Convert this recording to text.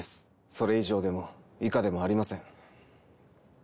それ以上でも以下でもありません。